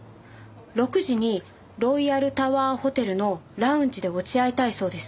６時にロイヤルタワーホテルのラウンジで落ち合いたいそうです。